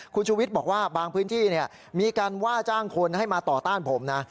คุณชูวิทย์บอกว่าบางพื้นที่มีการว่าจ้างคนให้มาต่อต้านผมนะ